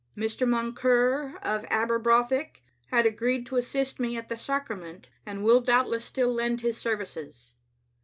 " Mr. Moncur, of Aberbrothick, had agreed to assist me at the Sacrament, and will doubtless still lend his services.